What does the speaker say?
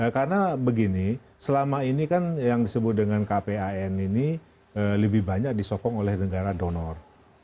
karena begini selama ini kan yang disebut dengan kpan ini lebih banyak disokong oleh negara donor